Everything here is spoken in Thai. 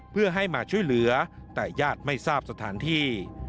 เพื่อให้มาช่วยเหลือแต่ญาติไม่ทราบสถานที่